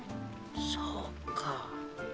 そうか。